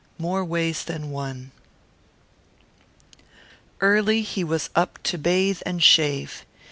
MORE WAYS THAN ONE Early he was up to bathe and shave.